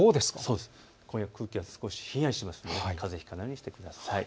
今夜、空気が少しひんやりしますのでかぜをひかないようにしてください。